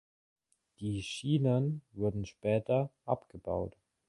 Die Schienen wurden später abgebaut.